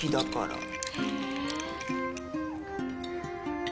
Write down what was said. へえ。